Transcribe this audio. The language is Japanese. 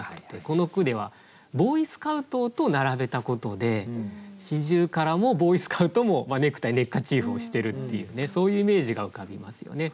この句では「ボウイスカウト」と並べたことで「四十雀」も「ボウイスカウト」もネクタイネッカチーフをしてるっていうねそういうイメージが浮かびますよね。